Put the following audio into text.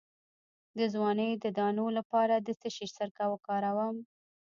د ځوانۍ د دانو لپاره د څه شي سرکه وکاروم؟